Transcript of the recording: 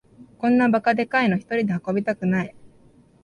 こんなバカでかいのひとりで運びたくない